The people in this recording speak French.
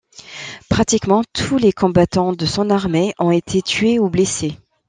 Pratiquement tous les combattants de son armée ont été tués ou blessés.